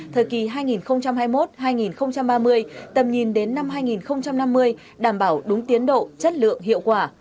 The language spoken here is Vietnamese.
thời kỳ hai nghìn hai mươi một hai nghìn ba mươi tầm nhìn đến năm hai nghìn năm mươi đảm bảo đúng tiến độ chất lượng hiệu quả